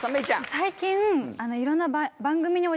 最近。